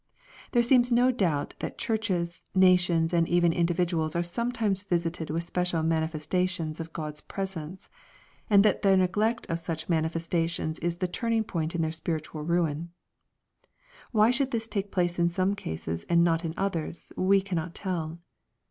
There seems no doubt that churches, nations, and even indi viduals are sometimes visited with special manifesta tions of God's presence, and that their neglect of such manifestations is the turning point in their spiritual ruin. Why this should take place in some cases and not in others we cannot tell.